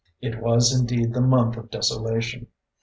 It was indeed the month of desolation.